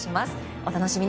お楽しみ。